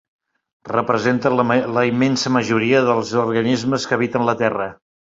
Representen la immensa majoria dels organismes que habiten la Terra.